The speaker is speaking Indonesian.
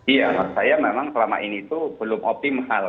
iya saya memang selama ini itu belum optimal